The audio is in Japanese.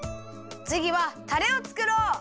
つぎはたれをつくろう！